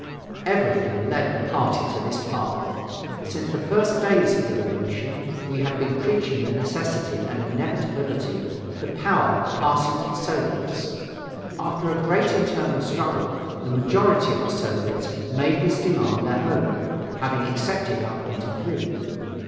Everything led the party to this path. Since the first days of the Revolution, we had been preaching the necessity and inevitability of the power passing to the Soviets. After a great internal struggle, the majority of the Soviets made this demand their own, having accepted our point of view.